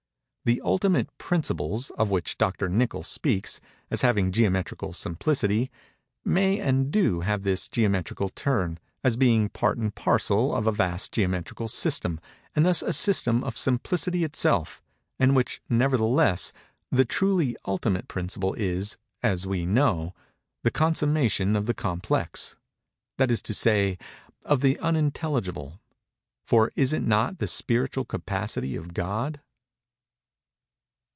The "ultimate principles" of which Dr. Nichol speaks as having geometrical simplicity, may and do have this geometrical turn, as being part and parcel of a vast geometrical system, and thus a system of simplicity itself—in which, nevertheless, the truly ultimate principle is, as we know, the consummation of the complex—that is to say, of the unintelligible—for is it not the Spiritual Capacity of God?